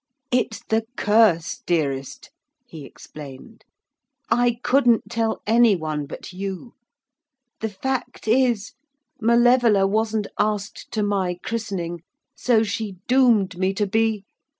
'It's the curse, dearest,' he explained, 'I couldn't tell any one but you. The fact is Malevola wasn't asked to my christening so she doomed me to be